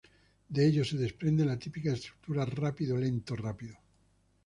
De ello se desprende la típica estructura rápido-lento-rápido.